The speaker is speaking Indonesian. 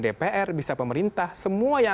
dpr bisa pemerintah semua yang